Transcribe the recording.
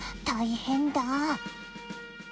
大変だ。